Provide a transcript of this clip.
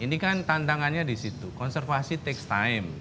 ini kan tantangannya di situ konservasi takes time